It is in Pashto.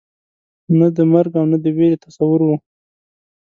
نه د مرګ او نه د وېرې تصور وو.